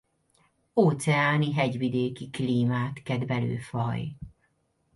Óceáni-hegyvidéki klímát kedvelő faj.